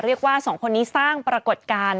เรียกว่าสองคนนี้สร้างปรากฏการณ์